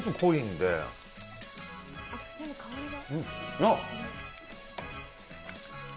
でも香りが。